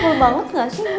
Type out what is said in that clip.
skul banget ga sih gua